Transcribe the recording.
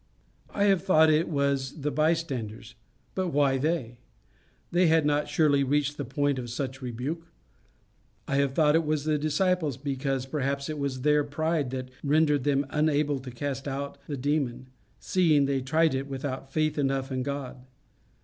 I have thought it was the bystanders: but why they? They had not surely reached the point of such rebuke. I have thought it was the disciples, because perhaps it was their pride that rendered them unable to cast out the demon, seeing they tried it without faith enough in God.